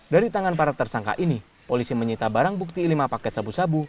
dari tangan para tersangka ini polisi menyita barang bukti lima paket sabu sabu